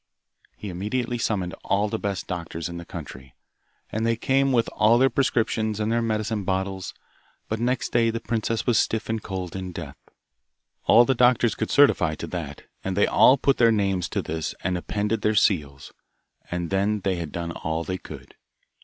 He immediately summoned all the best doctors in the country, and they came with all their prescriptions and their medicine bottles, but next day the princess was stiff and cold in death. All the doctors could certify to that and they all put their names to this and appended their seals, and then they had done all they could.